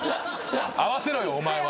合わせろよお前は。